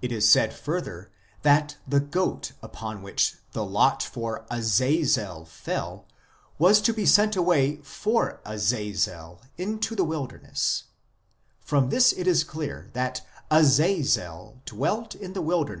It is said further that the goat upon which the lot for Azazel fell was to be sent away for Azazel into the wilder ness ; from this it is clear that Azazel dwelt in the wilderness 1 Cp.